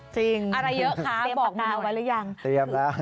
อะไรเยอะคะบอกนาเอาไว้หรือยังเตรียมแล้ว